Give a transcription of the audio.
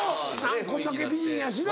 こんだけ美人やしな。